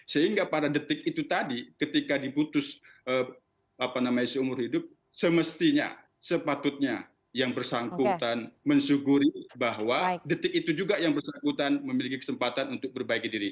sehingga pada detik itu tadi ketika diputus seumur hidup semestinya sepatutnya yang bersangkutan mensyukuri bahwa detik itu juga yang bersangkutan memiliki kesempatan untuk berbagi diri